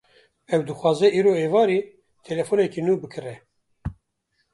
Ew dixwaze îro êvarî telefoneka nû bikire